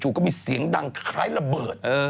ก็มีเสียงดังคล้ายระเบิด